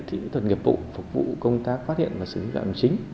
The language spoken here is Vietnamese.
kỹ thuật nghiệp vụ phục vụ công tác phát hiện và xử dụng dạng chính